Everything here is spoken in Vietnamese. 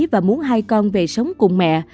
và muốn hai con về sống cùng mẹ